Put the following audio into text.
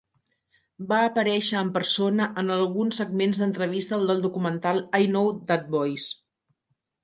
Va aparèixer en persona en alguns segments d'entrevista del documental "I Know That Voice".